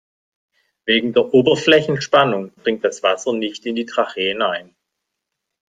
Wegen der Oberflächenspannung dringt das Wasser nicht in die Tracheen ein.